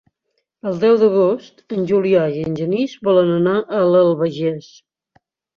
El deu d'agost en Julià i en Genís volen anar a l'Albagés.